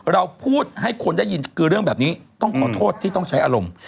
เราพูดให้คนได้ยินคือเรื่องแบบนี้ต้องขอโทษที่ต้องใช้อารมณ์